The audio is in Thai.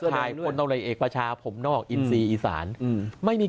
สามารถไทยคนต้องเลยเอกประชาผมนอกอินซีอิสรานอืมไม่มี